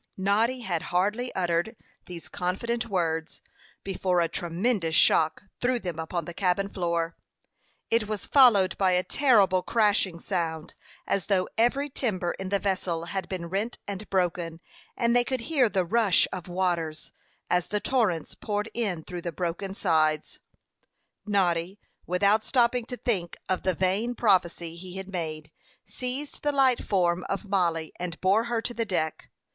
Noddy had hardly uttered these confident words, before a tremendous shock threw them upon the cabin floor. It was followed by a terrible crashing sound, as though every timber in the vessel had been rent and broken; and they could hear the rush of waters, as the torrents poured in through the broken sides. Noddy, without stopping to think of the vain prophecy he had made, seized the light form of Mollie, and bore her to the deck.